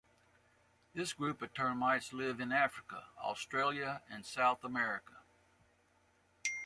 This group of termites live in Africa, Australia and South America.